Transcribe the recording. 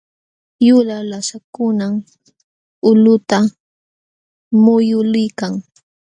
Yulaq lasukunam ulquta muyuliykan.